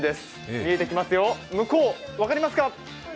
見えてきますよ、向こう、分かりますか？